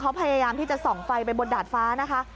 เขาพยายามที่จะส่องไฟไปบนดาดฟ้านะคะ